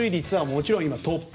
もちろんトップ